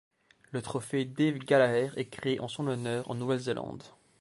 Le Trophée Dave Gallaher est créé en son honneur en Nouvelle-Zélande.